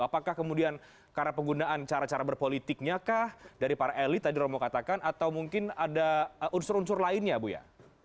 apakah kemudian karena penggunaan cara cara berpolitiknya kah dari para elit tadi romo katakan atau mungkin ada unsur unsur lainnya bu ya